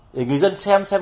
để người dân xem xem